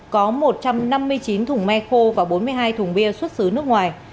có một trăm năm mươi chín thùng me khô và bốn mươi hai thùng bia xuất xứ nước ngoài